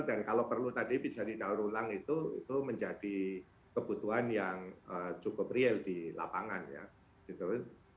dan kalau perlu tadi bisa didalur ulang itu menjadi kebutuhan yang cukup real di lapangan ya gitu